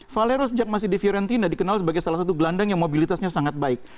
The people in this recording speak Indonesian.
valero sejak masih di fiorentina dikenal sebagai salah satu gelandang yang mobilitasnya sangat baik